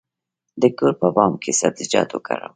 د کور په بام کې سبزیجات وکرم؟